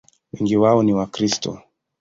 Wengi wao ni Wakristo.